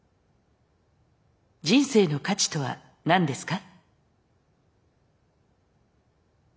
人生の価値とは何ですか？